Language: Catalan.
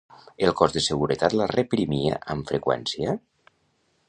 El cos de seguretat la reprimia amb freqüència?